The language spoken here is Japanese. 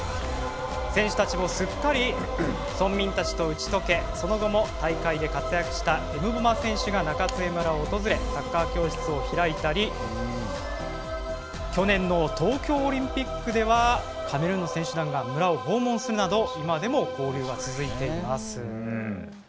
選手たちもすっかり村民たちと打ち解けその後も大会で活躍したエムボマ選手が中津江村を訪れサッカー教室を開いたり去年の東京オリンピックではカメルーンの選手団が村を訪問するなど今でも交流は続いています。